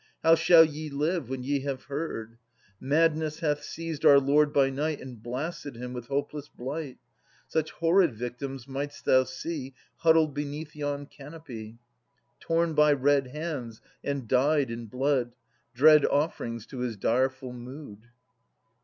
How shall ye live when ye have heard ? Madness hath seized our lord by night And blasted him with hopeless blight. Such horrid victims mightst thou see Huddled beneath yon canopy. Torn by red hands and dyed in blood. Dread offerings to his direful mood.